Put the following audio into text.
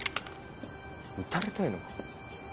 撃たれたいのか？